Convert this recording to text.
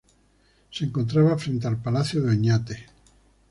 Se encontraba frente al Palacio de Oñate.